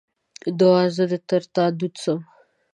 دوعا: زه دې تر تا دود سم.